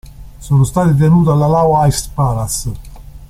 Sono stati tenuti all'Alau Ice Palace.